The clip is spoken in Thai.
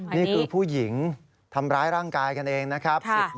นี่คือผู้หญิงทำร้ายร่างกายกันเองนะครับ